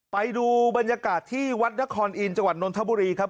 ไปดูบรรยากาศที่วัดนครอินทจังหวัดนนทบุรีครับ